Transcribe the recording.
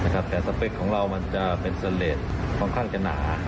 แต่สเปคของเรามันจะเป็นเซอร์เลสค่อนข้างจะหนา